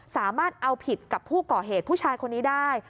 สามารถเอาผิดกับผู้ก่อเหตุผู้ชายคนนี้ได้